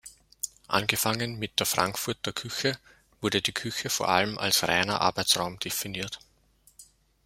Angefangen mit der Frankfurter Küche wurde die Küche vor allem als reiner Arbeitsraum definiert.